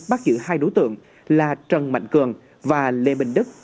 bắt giữ hai đối tượng là trần mạnh cường và lê bình đức